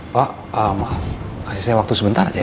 pak maaf kasih saya waktu sebentar aja